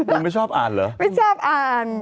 มันไม่ชอบอ่านเหรอไม่ชอบอ่าน